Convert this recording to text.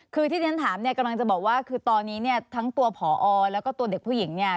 คือที่ที่ฉันถามเนี่ยกำลังจะบอกว่าคือตอนนี้เนี่ยทั้งตัวผอแล้วก็ตัวเด็กผู้หญิงเนี่ย